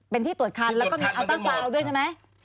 เป็นที่ตรวจคันแล้วก็มีอัลต้าซาวน์ด้วยใช่ไหม